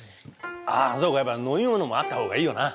ああそうかやっぱ飲み物もあったほうがいいよな。